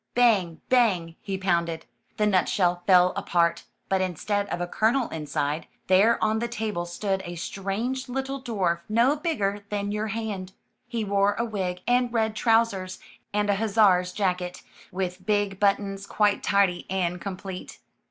Bang, bang, he pounded. The nutshell fell apart, but instead of a kernel inside, there on the table stood a strange little dwarf no bigger than your hand. He wore a wig, and red trousers and a hussar's jacket, with big buttons, quite tidy and complete.